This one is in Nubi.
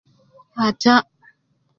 Ataah